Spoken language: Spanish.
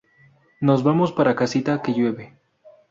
Nos vamos para casita que llueve